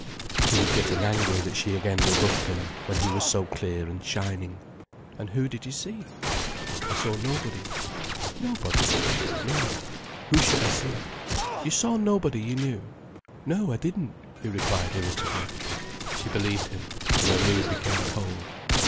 He was getting angry that she again rebuffed him when he was so clear and shining. "And who did you see?" "I saw nobody." "Nobody?" "No—who should I see?" "You saw nobody you knew?" "No, I didn't," he replied irritably. She believed him, and her mood became cold.